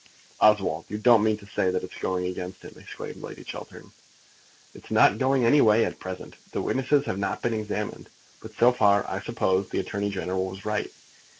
"Oswald, you don't mean to say that it's going against him!" exclaimed Lady Chiltern. "It's not going any way at present. The witnesses have not been examined. But so far, I suppose, the Attorney General was right.